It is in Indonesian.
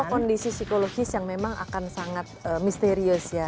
kondisi psikologis yang memang akan sangat misterius ya